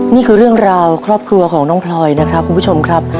นี่คือเรื่องราวครอบครัวของน้องพลอยนะครับคุณผู้ชมครับ